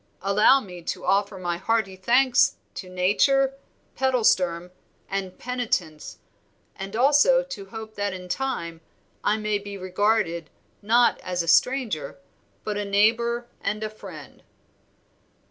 "Allow me to offer my hearty thanks to Nature, Pedalsturm, and Penitence, and also to hope that in time I may be regarded, not as a stranger, but a neighbor and a friend."